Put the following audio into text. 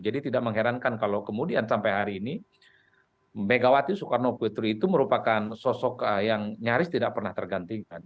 jadi tidak mengherankan kalau kemudian sampai hari ini megawati soekarno petri itu merupakan sosok yang nyaris tidak pernah tergantikan